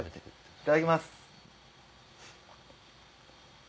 いただきます。